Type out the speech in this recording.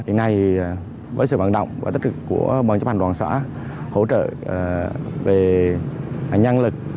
hiện nay với sự vận động và tích cực của bàn chấp hành đoàn xã hỗ trợ về nhân lực